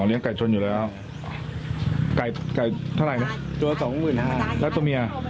ไก่ชนอยู่แล้วไก่ไก่เท่าไหร่นะตัวสองหมื่นห้าแล้วตัวเมีย